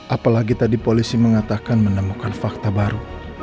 apalagi tadi polisi mengatakan menemukan fakta baru